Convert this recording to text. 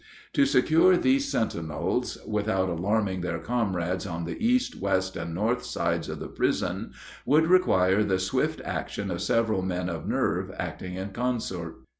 To secure these sentinels, without alarming their comrades on the east, west, and north sides of the prison, would require the swift action of several men of nerve acting in concert.